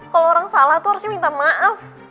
kalau orang salah tuh harusnya minta maaf